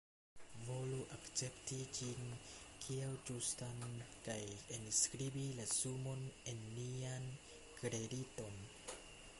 Volu akcepti ĝin kiel ĝustan kaj enskribi la sumon en nian krediton.